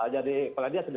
jadi kalau dia sedang